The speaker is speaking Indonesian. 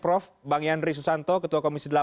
prof bang yandri susanto ketua komisi delapan